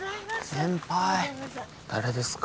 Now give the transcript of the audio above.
先輩誰ですか？